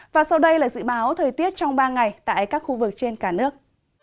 và sau đây là dự báo thời tiết trong ba ngày tại các khu vực trên cả nước